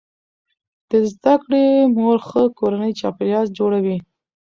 د زده کړې مور ښه کورنی چاپیریال جوړوي.